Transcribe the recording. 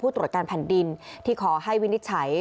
ตรวจการแผ่นดินที่ขอให้วินิจฉัย